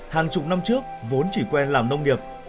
hàng chục năm trước vốn chỉ quen làm nông nghiệp